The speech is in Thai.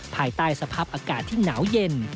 ภายใต้สภาพอากาศที่หนาวเย็น